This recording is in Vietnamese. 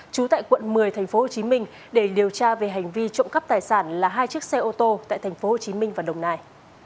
trú tại quận một mươi tp hcm để điều tra về hành vi trộm cắp tài sản là hai chiếc xe ô tô tại tp hcm và đồng nai